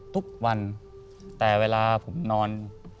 ทุกวันแต่เวลาผมนอน